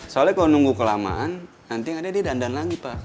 soalnya kalau nunggu kelamaan nanti dia dandan lagi pak